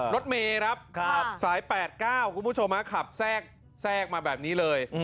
รถเมรับสาย๘๙คุณผู้ชมครับขับแทรกแทรกมาแบบนี้เลย